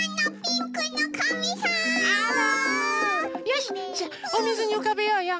よしじゃあおみずにうかべようよ！